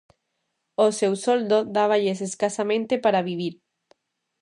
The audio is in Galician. O seu soldo dáballes escasamente para vivir.